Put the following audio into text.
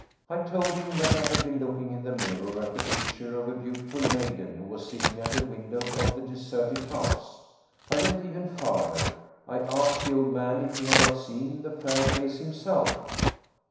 I told him that I had been looking in the mirror at the picture of a beautiful maiden who was sitting at a window of the deserted house. I went even farther; I asked the old man if he had not seen the fair face himself.